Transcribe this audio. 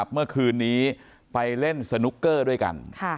เมื่อคืนนี้ไปเล่นสนุกเกอร์ด้วยกัน